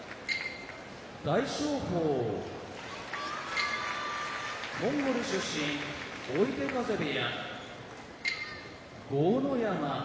大翔鵬モンゴル出身追手風部屋豪ノ山